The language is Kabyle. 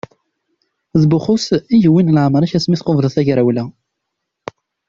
D Buxus i yewwin leɛmer-ik asmi tqubleḍ tagrawla.